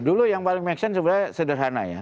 dulu yang paling make sense sebenarnya sederhana ya